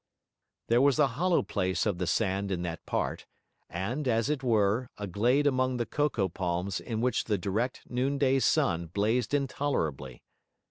There was a hollow place of the sand in that part, and, as it were, a glade among the cocoa palms in which the direct noonday sun blazed intolerably.